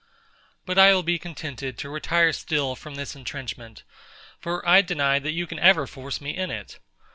But I will be contented to retire still from this entrenchment, for I deny that you can ever force me in it.